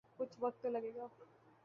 کچھ وقت تو لگے گا۔